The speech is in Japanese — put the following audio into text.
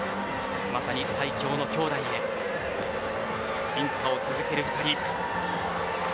まさに最強のきょうだいへ進化を続ける２人。